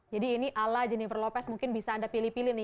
jadi ini ala jennifer lopez mungkin bisa anda pilih pilih nih